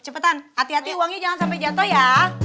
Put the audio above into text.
cepetan hati hati uangnya jangan sampai jatuh ya